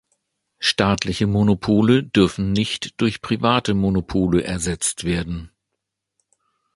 Staatliche Monopole dürfen nicht durch private Monopole ersetzt werden!